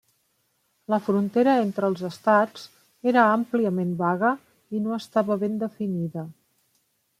La frontera entre els estats era àmpliament vaga i no estava ben definida.